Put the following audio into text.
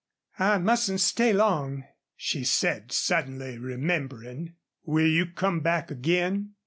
"I mustn't stay long," she said, suddenly remembering. "Will you come back again?"